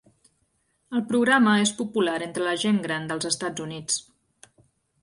El programa és popular entre la gent gran dels Estats Units.